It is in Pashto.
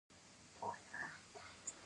خو لرغونی تاریخ له اسلام مخکې و